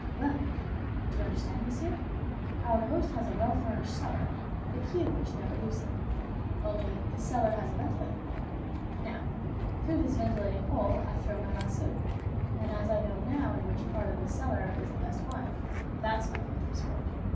Well, do you understand, monsieur? Our host has a well furnished cellar the key of which never leaves him; only this cellar has a ventilating hole. Now through this ventilating hole I throw my lasso, and as I now know in which part of the cellar is the best wine, that's my point for sport.